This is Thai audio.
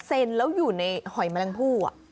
๒เซนติเมตรแล้วอยู่ในหอยแมงพู